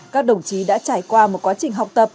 các đồng chí đã trải qua một quá trình học tập